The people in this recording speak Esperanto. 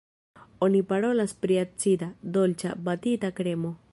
Oni parolas pri acida, dolĉa, batita kremo.